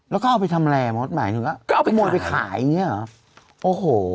แล้วก็เอาไปทำแรมดหมายถึงว่าก็เอาไปมวยไปขายอย่างเงี้เหรอโอ้โห